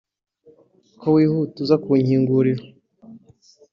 Ko wihuta uza kunkingurira